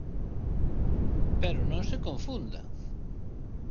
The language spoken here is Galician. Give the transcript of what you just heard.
Pero non se confunda.